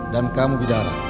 dan kamu bidara